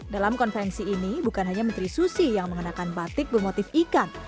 dalam konferensi ini bukan hanya menteri susi yang mengenakan batik bermotif ikan